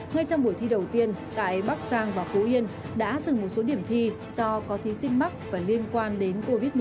ngay trong buổi thi đầu tiên tại bắc giang và phú yên đã dừng một số điểm thi do có thí sinh mắc và liên quan đến covid một mươi chín